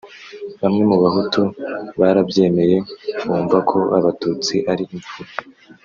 bamwe mu bahutu barabyemeye bumva ko abatutsi ari imfura